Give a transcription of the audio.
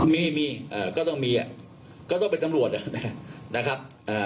มีมีเอ่อก็ต้องมีอ่ะก็ต้องเป็นน้ำรวจอ่ะนะครับเอ่อ